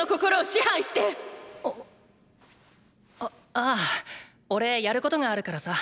あああおれやることがあるからさ。